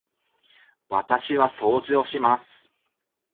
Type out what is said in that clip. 私は掃除をします。